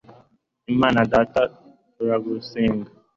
imana data, turagusenga